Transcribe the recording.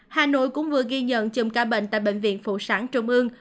hà nội cũng vừa ghi nhận chùm ca bệnh tại bệnh viện phụ sản trung ương